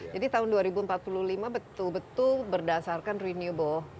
tahun dua ribu empat puluh lima betul betul berdasarkan renewable